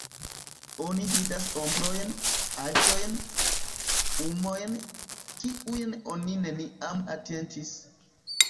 Oni vidas ombrojn, aĵojn, umojn, kiujn oni neniam atentis.